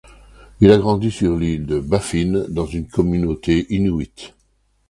Il a grandi sur l'île de Baffin dans une communauté inuit.